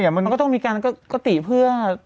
มันก็ต้องมีการกติเพื่อ